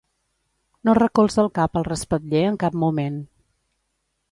No recolza el cap al respatller en cap moment.